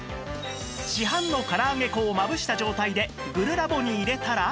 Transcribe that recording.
市販の唐揚げ粉をまぶした状態でグルラボに入れたら